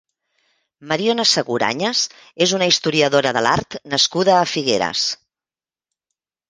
Mariona Seguranyes és una historiadora de l'art nascuda a Figueres.